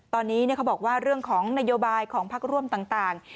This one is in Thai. ตอนนี้เขาบอกว่าเรื่องของนโยบายของพักร่วมต่าง